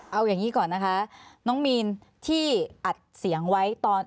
เอาอย่างนี้ก่อนนะคะน้องมีนที่อัดเสียงไว้ตอน